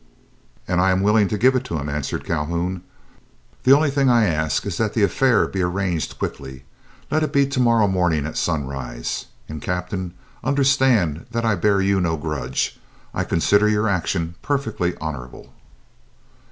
"And I am willing to give it to him," answered Calhoun. "The only thing I ask is that the affair be arranged quickly. Let it be to morrow morning at sunrise. And, Captain, understand that I bear you no grudge. I consider your action perfectly honorable."